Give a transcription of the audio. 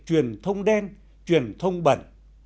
truyền thông đen truyền thông bẩn